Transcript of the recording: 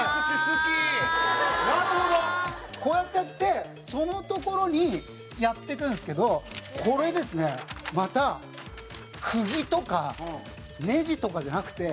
品川：こうやってやってそのところにやっていくんですけどこれですね、またクギとかネジとかじゃなくて。